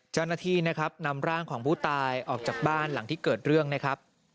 เจ้าหน้าที่นะครับนำร่างของผู้ตายออกจากบ้านหลังที่เกิดเรื่องนะครับ